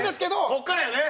ここからやね！